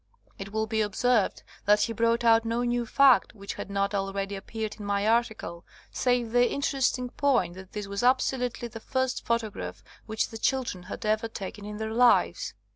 It will be observed that he 70 RECEPTION OF THE FIRST PHOTOGRAPHS brought out no new fact which had not al ready appeared in my article, save the inter esting point that this was absolutely the first photograph which the children had ever taken in their lives.